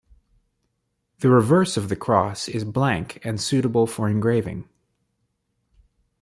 The reverse of the cross is blank and suitable for engraving.